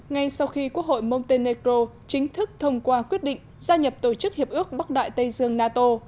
ngay sau khi quốc hội monteneco chính thức thông qua quyết định gia nhập tổ chức hiệp ước bắc đại tây dương nato